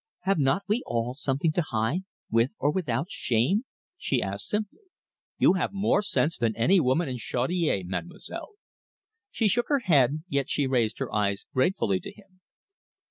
"Have not we all something to hide with or without shame?" she asked simply. "You have more sense than any woman in Chaudiere, Mademoiselle." She shook her head, yet she raised her eyes gratefully to him.